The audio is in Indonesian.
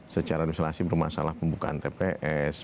secara legislasi bermasalah pembukaan tps